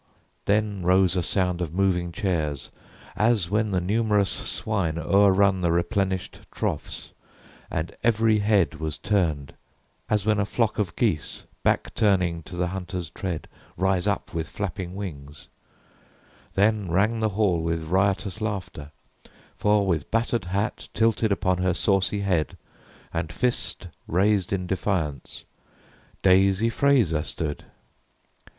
Then rose a sound of moving chairs, as when The numerous swine o'er run the replenished troughs; And every head was turned, as when a flock Of geese back turning to the hunter's tread Rise up with flapping wings; then rang the hall With riotous laughter, for with battered hat Tilted upon her saucy head, and fist Raised in defiance, Daisy Fraser stood.